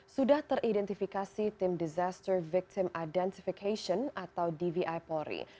sudah teridentifikasi tim disaster victim identification atau dvi polri